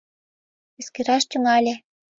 Эскераш тӱҥале.